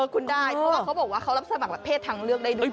เขาบอกว่าเขารับสมัครประเภททางเลือกได้ด้วย